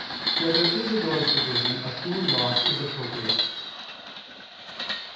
4] Whether Isidore's Division of Human Laws Is Appropriate?